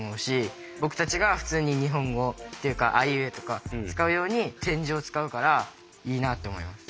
僕たちが普通に日本語っていうか「あいうえお」とか使うように点字を使うからいいなって思います。